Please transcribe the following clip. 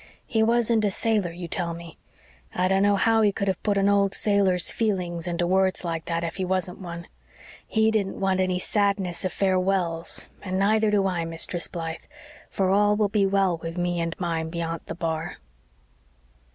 He wasn't a sailor, you tell me I dunno how he could have put an old sailor's feelings into words like that, if he wasn't one. He didn't want any 'sadness o' farewells' and neither do I, Mistress Blythe for all will be well with me and mine beyant the bar."